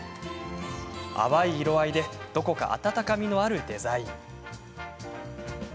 淡い色合いでどこか温かみのあるデザイン。